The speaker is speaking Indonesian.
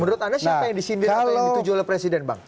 menurut anda siapa yang disindir atau yang dituju oleh presiden bang